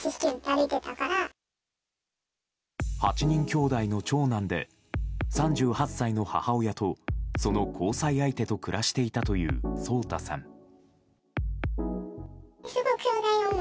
８人兄弟の長男で３８歳の母親とその交際相手と暮らしていたという颯太さん。